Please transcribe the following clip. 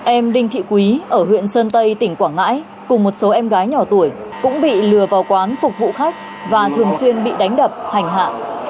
em đinh thị quý ở huyện sơn tây tỉnh quảng ngãi cùng một số em gái nhỏ tuổi cũng bị lừa vào quán phục vụ khách và thường xuyên bị đánh đập hành hạ